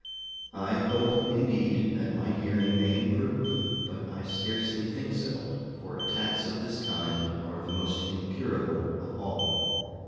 I hope indeed that my hearing may improve, but I scarcely think so, for attacks of this kind are the most incurable of all.